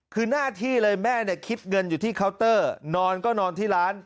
คือหน้าที่เลยแม่เนี่ยคิดเงินอยู่ที่เคาน์เตอร์นอนก็นอนที่ร้าน